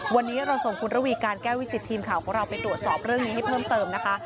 วันนี้เราส่งคุณระวีการแก้ววิจิตทีมข่าวของเราไปตรวจสอบเรื่องนี้ให้เพิ่มเติมนะคะ